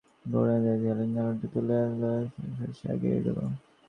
পুতুলটিকে আরও খানিকটা গাছের গোড়ার দিকে ঠেলিয়া দিয়া আলোটা তুলিয়া লইয়া শশী আগাইয়া গেল।